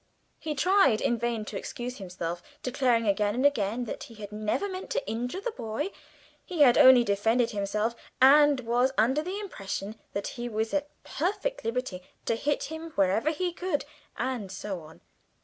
He tried in vain to excuse himself, declaring again and again that he had never meant to injure the boy. He had only defended himself, and was under the impression that he was at perfect liberty to hit him wherever he could, and so on.